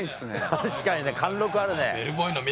確かにね貫禄あるね。